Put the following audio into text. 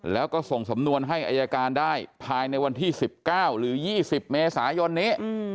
แล้วก็ส่งสำนวนให้อายการได้ภายในวันที่๑๙หรือ๒๐เมษายนนี้